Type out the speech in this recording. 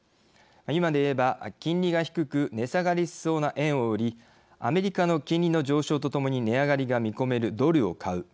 今で言えば金利が低く値下がりしそうな円を売りアメリカの金利の上昇とともに値上がりが見込めるドルを買う。